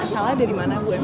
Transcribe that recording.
salah dari mana bu